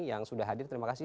yang sudah hadir terima kasih